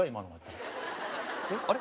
あれ？